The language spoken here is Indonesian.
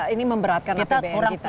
ini memberatkan apbn kita